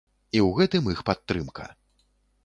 І ў гэтым іх падтрымка.